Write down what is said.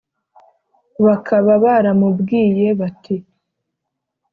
Bakaba baramubwiye bati”